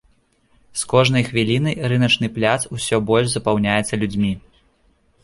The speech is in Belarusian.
З кожнай хвілінай рыначны пляц усё больш запаўняецца людзьмі.